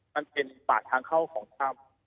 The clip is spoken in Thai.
มันเป็นปากทางเข้าของถ้ำ